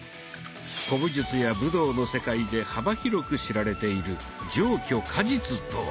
古武術や武道の世界で幅広く知られている「上虚下実」とは？